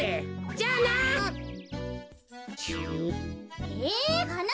じゃあな！